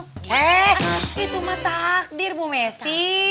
oke itu mah takdir bu messi